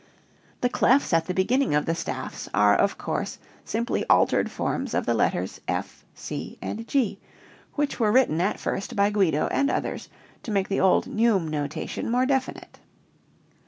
The clefs at the beginning of the staffs are of course simply altered forms of the letters F, C, and G, which were written at first by Guido and others to make the old neume notation more definite.